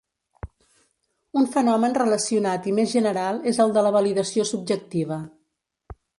Un fenomen relacionat i més general és el de la validació subjectiva.